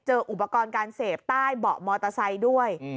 อุปกรณ์การเสพใต้เบาะมอเตอร์ไซค์ด้วย